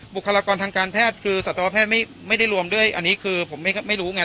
บุคลากรทางการแพทย์คือสัตวแพทย์ไม่ได้รวมด้วยอันนี้คือผมไม่รู้ไง